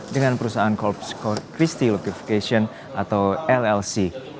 dengan perusahaan corp christi locification atau llc